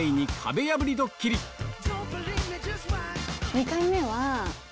２回目は。